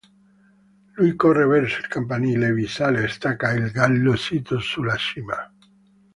Lui corre verso il campanile, vi sale e stacca il gallo sito sulla cima.